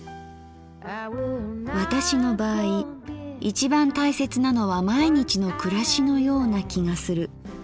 「私の場合一番大切なのは毎日の暮らしのような気がする。